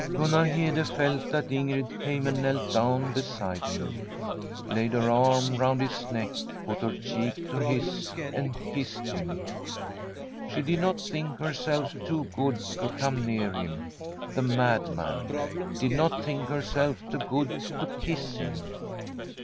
Gunnar Hede felt that Ingrid came and knelt down beside him, laid her arm round his neck, put her cheek to his, and kissed him. She did not think herself' too eood to come near him, the madman, did not think herself too good to kiss him.